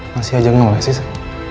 masih aja gak boleh sih sa